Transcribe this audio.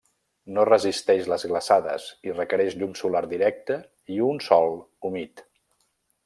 No resisteix les glaçades i requereix llum solar directa i un sòl humit.